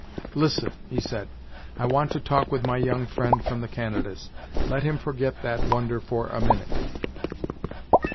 "Listen," he said; "I want to talk with my young friend from the Canadas. Let him forget that wonder for a minute."